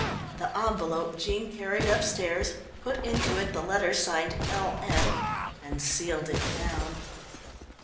The envelope Jean carried upstairs, put into it the letter signed "L. M.," and sealed it down.